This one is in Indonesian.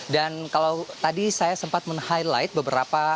dan kalau tadi saya sempat men highlight beberapa